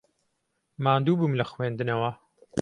ماندوو بووم لە خوێندنەوە.